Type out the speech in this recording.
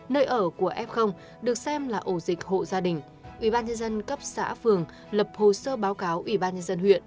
nơi ở của f được xem là ổ dịch hộ gia đình ubnd cấp xã phường lập hồ sơ báo cáo ubnd huyện